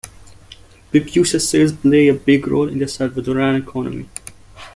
Pupusa sales play a big role in the Salvadoran economy.